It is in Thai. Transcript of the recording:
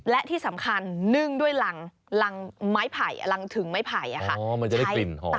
และที่สำคัญนึ่งด้วยหลังหลังไม้ไผ่หลังถึงไม้ไผ่อ่ะค่ะอ๋อมันจะได้กลิ่นหอมเลย